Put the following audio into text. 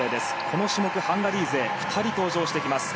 この種目、ハンガリー勢が２人が登場してきます。